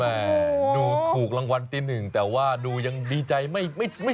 ดูถูกรางวัลที่หนึ่งแต่ว่าดูยังดีใจไม่ไม่